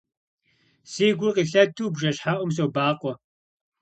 Си гур къилъэту бжэщхьэӀум собакъуэ.